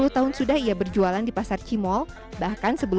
dua puluh tahun sudah ia berjualan di pasar cimol